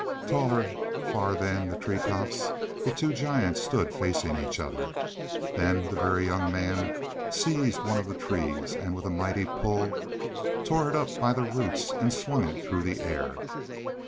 Taller far than the tree tops, the two giants stood facing each other. Then the Very Young Man seized one of the trees, and with a mighty pull tore it up by the roots and swung it through the air.